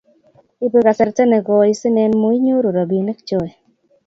Ibe kasarta ne goi sinen muinyoru robinik choe